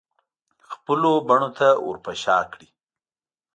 خپلو بڼو ته ورپه شا کړي